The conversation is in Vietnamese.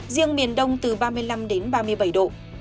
riêng miền đông từ ba mươi năm đến ba mươi bảy độ